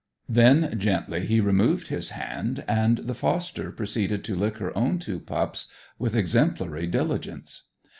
Then, gently, he removed his hand, and the foster proceeded to lick her own two pups with exemplary diligence.